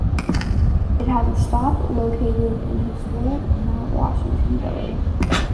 It has a stop located in historic Mount Washington Village.